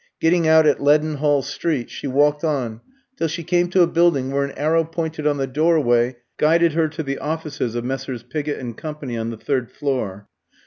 Getting out at Leadenhall Street, she walked on till she came to a building where an arrow painted on the doorway guided her to the offices of Messrs. Pigott & Co., on the third floor.